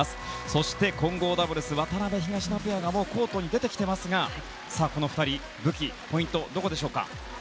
そして混合ダブルス渡辺、東野ペアがコートに出てきていますがさあ、この２人の武器やポイントはどこでしょうか？